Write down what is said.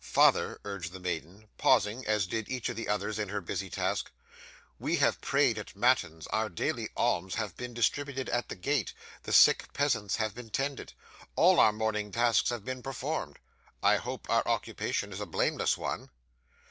'"Father," urged the maiden, pausing, as did each of the others, in her busy task, "we have prayed at matins, our daily alms have been distributed at the gate, the sick peasants have been tended, all our morning tasks have been performed. I hope our occupation is a blameless one?